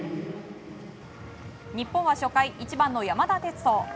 日本は初回１番の山田哲人。